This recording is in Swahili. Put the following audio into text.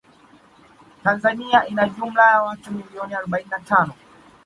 Tanzania ina jumla ya watu milioni arobaini na tano